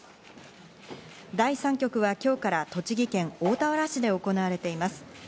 第３局は今日から栃木県大田原市で行われています。